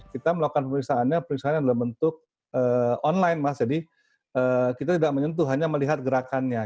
kita melakukan pemeriksaannya periksaannya dalam bentuk online mas jadi kita tidak menyentuh hanya melihat gerakannya